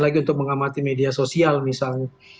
lagi untuk mengamati media sosial misalnya